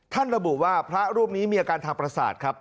ระบุว่าพระรูปนี้มีอาการทางประสาทครับ